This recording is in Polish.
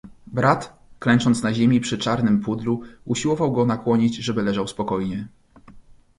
"Brat, klęcząc na ziemi przy czarnym pudlu, usiłował go nakłonić żeby leżał spokojnie."